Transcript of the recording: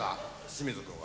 清水君は」